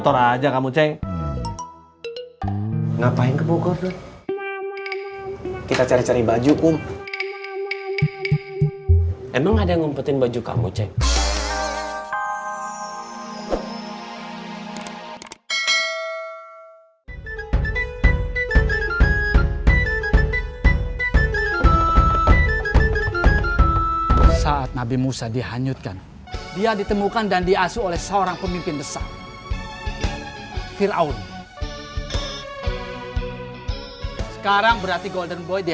sampai jumpa di video selanjutnya